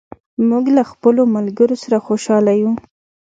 موږ له خپلو ملګرو سره خوشاله یو.